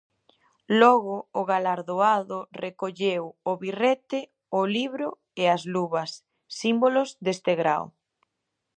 Logo o galardoado recolleu o birrete, o libro e as luvas, símbolos deste grao.